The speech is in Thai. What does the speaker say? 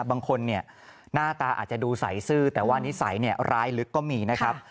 บางคนเนี่ยหน้าตาอาจจะดูใสซื่อแต่ว่านิสัยร้ายลึกก็มีนะครับ